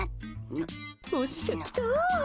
おっしゃ、来たー！